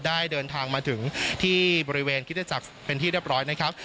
ได้เดินทางมาถึงที่บริเวณคิตจักรเป็นที่เรียบร้อยนะครับ